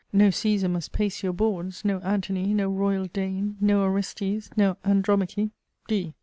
No Caesar must pace your boards no Antony, no royal Dane, no Orestes, no Andromache! D.